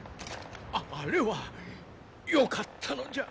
あれはよかったのじゃ。